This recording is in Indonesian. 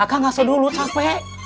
akang gak sedulur capek